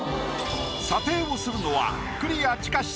査定をするのは。